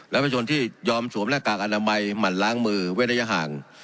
และประชนที่ยอมสวมหน้ากากอนามัยหมั่นล้างมือเว้นระยะห่าง